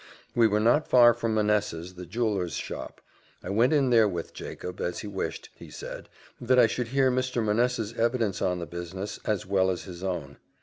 We were not far from Manessa's, the jeweller's shop; I went in there with Jacob, as he wished, he said, that I should hear Mr. Manessa's evidence on the business, as well as his own.